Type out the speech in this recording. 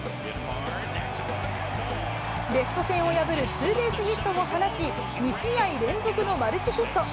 レフト線を破るツーベースヒットを放ち、２試合連続のマルチヒット。